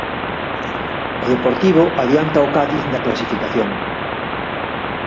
O Deportivo adianta o Cádiz na clasificación.